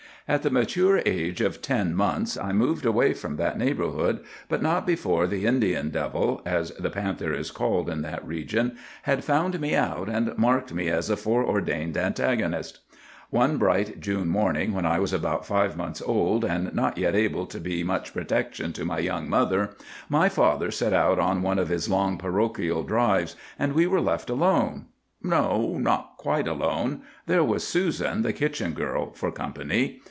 "At the mature age of ten months I moved away from that neighborhood, but not before the Indian devil, as the panther is called in that region, had found me out and marked me as a foreordained antagonist. "One bright June morning, when I was about five months old, and not yet able to be much protection to my young mother, my father set out on one of his long parochial drives, and we were left alone,—no, not quite alone; there was Susan, the kitchen girl, for company.